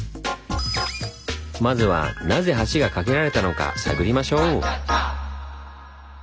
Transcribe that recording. まずはなぜ橋が架けられたのか探りましょう！